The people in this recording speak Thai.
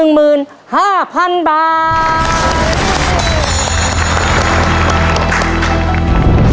๑หมื่น๕พันบาท